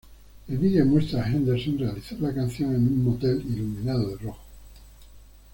El video muestra a Henderson realizar la canción en un motel iluminado de rojo.